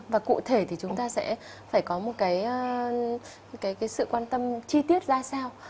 và cụ thể thì chúng ta sẽ phải có một cái sự quan tâm chi tiết ra sao